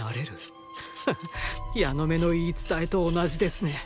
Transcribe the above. ハハッヤノメの言い伝えと同じですね。